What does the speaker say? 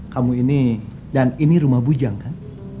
kamu ini dan ini rumah bujang kan